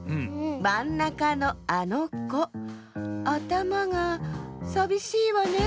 まんなかのあのこあたまがさびしいわね。